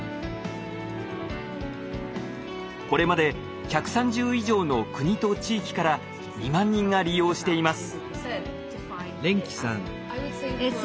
これまで１３０以上の国と地域から２万人が利用しています。